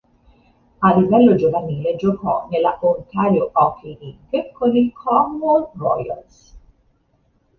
A livello giovanile giocò nella Ontario Hockey League con i Cornwall Royals.